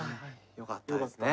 よかったですね。